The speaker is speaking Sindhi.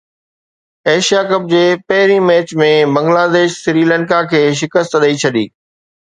ايشيا ڪپ جي پهرين ميچ ۾ بنگلاديش سريلنڪا کي شڪست ڏئي ڇڏي